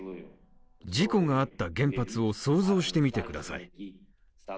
事故があった原発を想像してみてください。